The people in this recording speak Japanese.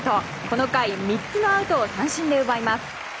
この回３つのアウトを三振で奪います。